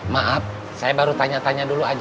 maaf saya baru tanya tanya dulu aja